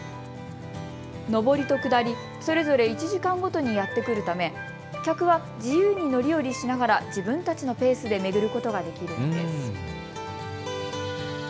上りと下りそれぞれ１時間ごとにやって来るため客は自由に乗り降りしながら自分たちのペースで巡ることができるんです。